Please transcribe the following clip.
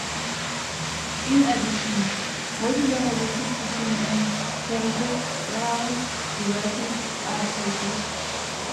In addition, modular robotic systems and peripheral devices are produced.